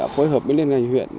phối hợp với liên lạc huyện